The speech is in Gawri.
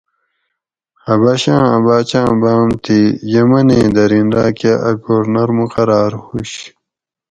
حبشاۤں ا باچاۤں باۤم تھی یمنیں دۤرین راۤکہ اۤ گورنر مقراۤر ہُوش